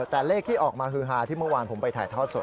แต่เลขที่ออกมาฮือฮาที่เมื่อวานผมไปถ่ายทอดสด